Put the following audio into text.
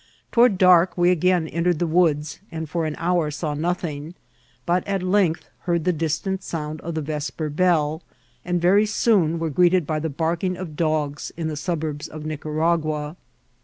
Toward dark we again entered the woods, and for an hour saw nothing, but at length heard the distant sound of the veqper bell, and very soon were greeted by the barking of dogs in the suburbs of Nicaragua.